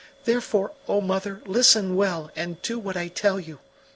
Therefore, O mother, listen well and do what I tell you.